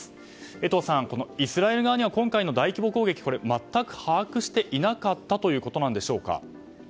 江藤さん、イスラエル側には今回の大規模攻撃全く把握していなかったということでしょうか。